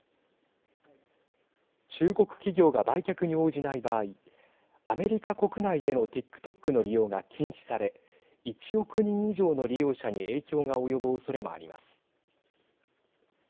中国企業が売却に応じない場合アメリカ国内でのＴｉｋＴｏｋの利用が禁止され１億人以上の利用者に影響が及ぶおそれもあります。